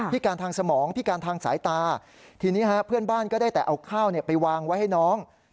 การทางสมองพิการทางสายตาทีนี้เพื่อนบ้านก็ได้แต่เอาข้าวไปวางไว้ให้น้อง